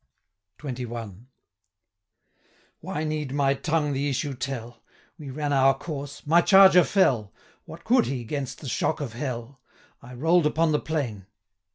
420 XXI. 'Why need my tongue the issue tell? We ran our course, my charger fell; What could he 'gainst the shock of hell? I roll'd upon the plain.